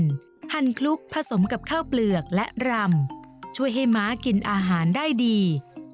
หั่นคลุกผสมกับข้าวเปลือกและรำช่วยให้ม้ากินอาหารได้ดี